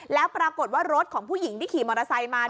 แล้วปรากฏว่ารถของผู้หญิงที่ขี่มอเตอร์ไซค์มา